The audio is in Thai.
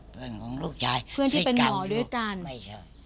เพื่อนของลูกชายเพื่อนที่เป็นหมอด้วยกันไม่ใช่